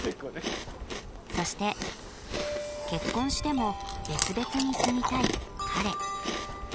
そして結婚しても別々に住みたい彼。